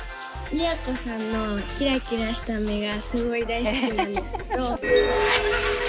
都さんのキラキラした目がすごい大好きなんですけど。